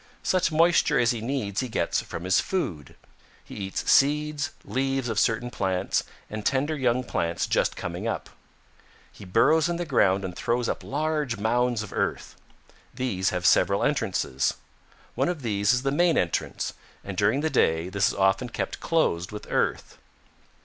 "Such moisture as he needs he gets from his food. He eats seeds, leaves of certain plants and tender young plants just coming up. He burrows in the ground and throws up large mounds of earth. These have several entrances. One of these is the main entrance, and during the day this is often kept closed with earth.